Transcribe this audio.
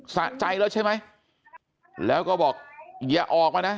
สะใจแล้วใช่ไหมแล้วก็บอกอย่าออกมานะ